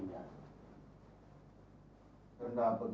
dan saya akan menerima sujud kepada suaminya